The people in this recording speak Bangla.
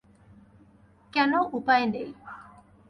কেন উপায় নেই?